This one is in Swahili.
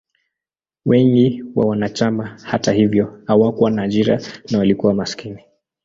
Wengi wa wanachama, hata hivyo, hawakuwa na ajira na walikuwa maskini.